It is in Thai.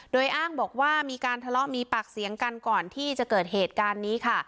โดยอ้างบอกว่ามีการทะเลาะมีปากเสียงกันก่อนที่จะเกิดเหตุการณ์นี้ค่ะ